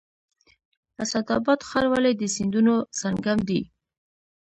اسعد اباد ښار ولې د سیندونو سنگم دی؟